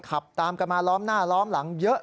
ขับตามกันมาล้อมหน้าล้อมหลังเยอะ